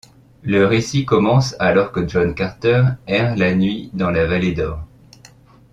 Le récit commence alors que John Carter erre la nuit dans la vallée Dor.